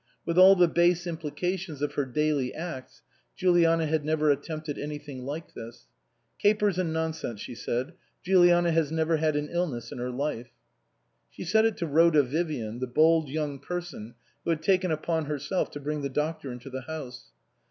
With all the base implications of her daily acts, Juliana had never attempted anything like this. "Capers and nonsense," she said, "Juliana has never had an illness in her life." She said it to Rhoda Vivian, the bold young person who had taken upon herself to bring the doctor into the house.